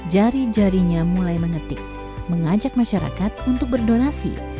jari jarinya mulai mengetik mengajak masyarakat untuk berdonasi